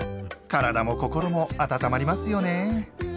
体も心も温まりますよね。